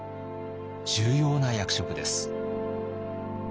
重要な役職です。